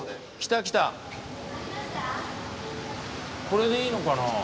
これでいいのかなあ？